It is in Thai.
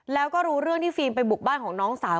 แล้วก็รู้เรื่องที่ฟิล์มไปบุกบ้านของน้องสาว